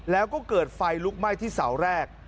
แล้วก็เกิดไฟลุกไหม้ที่เสาแรก